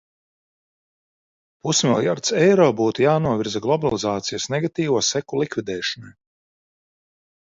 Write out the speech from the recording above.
Pusmiljards eiro būtu jānovirza globalizācijas negatīvo seko likvidēšanai.